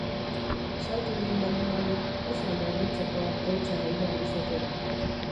Salto egin baldin balu, ez al da harritzekoa poltsa aldean izatea?